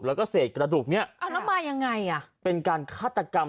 แล้วก็เศษกระดูกเนี้ยเอาแล้วมายังไงอ่ะเป็นการฆาตกรรม